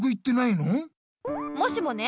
もしもね